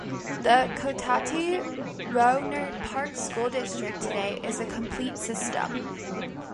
The Cotati-Rohnert Park School District today is a complete system.